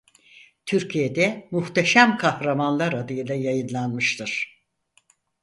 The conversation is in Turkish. Türkiye'de Muhteşem Kahramanlar adıyla yayınlanmıştır.